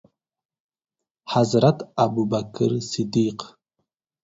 حضرت ابوبکر صدیق